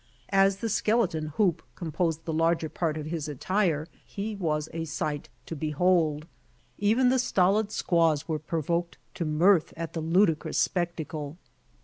As the skek^ton hoop composed the larger part of his attire he was a sight to behold. Even the stolid squaws were provoked to mirth at the ludicrous spectacle.